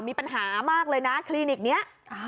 มีปัญหามากเลยนะคลินิกนี้